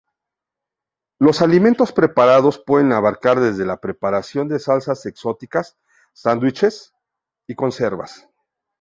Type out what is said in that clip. Los alimentos preparados pueden abarcar desde la preparación de salsas exóticas, sándwiches, conservas.